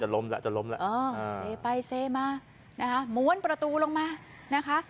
เสร็จจะล้มแล้วเสร็จไปเสร็จมาม้วนประตูลงมา